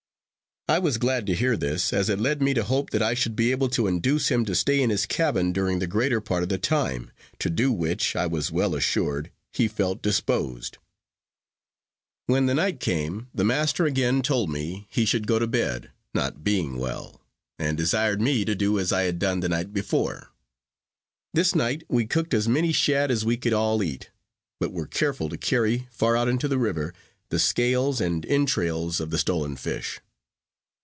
I was glad to hear this, as it led me to hope that I should be able to induce him to stay in his cabin during the greater part of the time; to do which, I was well assured, he felt disposed. When the night came, the master again told me he should go to bed, not being well, and desired me to do as I had done the night before. This night we cooked as many shad as we could all eat; but were careful to carry, far out into the river, the scales and entrails of the stolen fish.